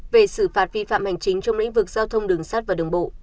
về xử phạt vi phạm hành chính trong lĩnh vực giao thông đường sắt và đường bộ